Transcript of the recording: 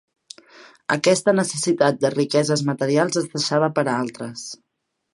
Aquesta necessitat de riqueses materials es deixava per a altres.